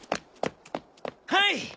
はい！